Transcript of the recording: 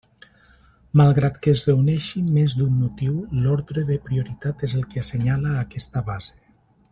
Malgrat que es reuneixi més d'un motiu, l'ordre de prioritat és el que assenyala aquesta base.